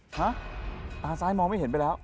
ฮะตาซ้ายมองไม่เห็นไปแล้ว